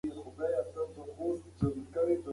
ښځې په خپل زړه کې د خپل خاوند د روغتیا دعا کوله.